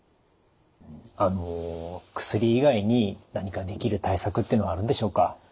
あの薬以外に何かできる対策ってあるんでしょうか？